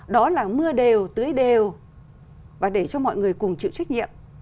đó là mưa đều tưới đều và để cho mọi người cùng chịu trách nhiệm